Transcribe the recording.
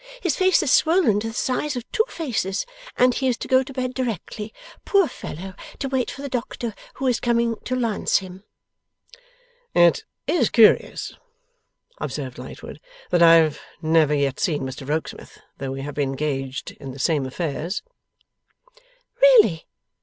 His face is swollen to the size of two faces, and he is to go to bed directly, poor fellow, to wait for the doctor, who is coming to lance him.' 'It is curious,' observed Lightwood, 'that I have never yet seen Mr Rokesmith, though we have been engaged in the same affairs.' 'Really?